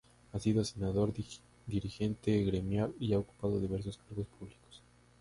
Ha sido senador, dirigente gremial y ha ocupado diversos cargos públicos.